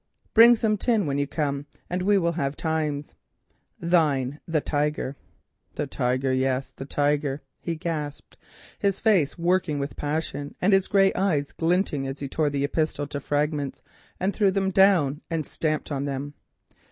Bring some tin when you come, and we will have times.—Thine, The Tiger." "The Tiger, yes, the Tiger," he gasped, his face working with passion and his grey eyes glinting as he tore the epistle to fragments, threw them down and stamped on them.